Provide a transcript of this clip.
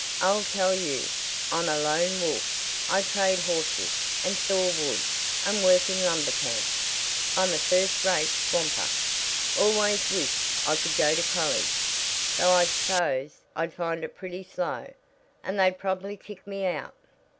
I'll tell you: I'm a lone wolf. I trade horses, and saw wood, and work in lumber camps I'm a first rate swamper. Always wished I could go to college. Though I s'pose I'd find it pretty slow, and they'd probably kick me out."